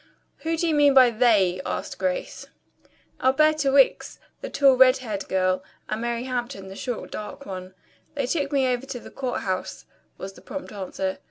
"Who do you mean by 'they'?" asked Grace. "Alberta Wicks, the tall red haired girl, and Mary Hampton, the short dark one. They took me over to the court house," was the prompt answer.